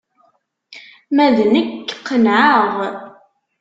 Ma d nekk, qenεeɣ.